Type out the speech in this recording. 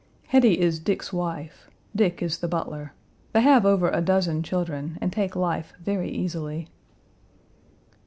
Hetty is Dick's wife; Dick is the butler. They have over a dozen children and take life very easily.